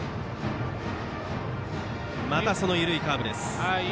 また、その緩いカーブから。